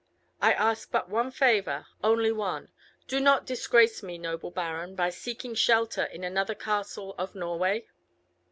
I ask but one favour, only one; do not disgrace me, noble baron, by seeking shelter in another castle of Norway."